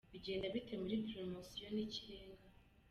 Bigenda bite muri Poromosiyo Ni ikirengaa?.